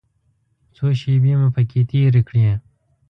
څو شېبې مو پکې تېرې کړې.